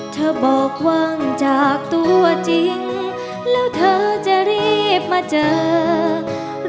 เธอบอกว่างจากตัวจริงแล้วเธอจะรีบมาเจอรู้ไหมน้ำตาฉันเอ่อ